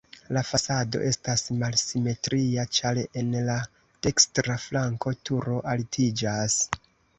La fasado estas malsimetria, ĉar en la dekstra flanko turo altiĝas.